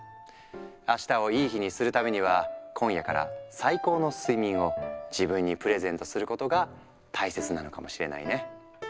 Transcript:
あしたをいい日にするためには今夜から最高の睡眠を自分にプレゼントすることが大切なのかもしれないね。